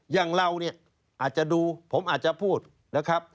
อย่างเราเนี่ยอาจจะดูผมอาจจะพูดนะครับ